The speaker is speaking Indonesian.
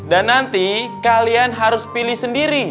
dan nanti kalian harus pilih sendiri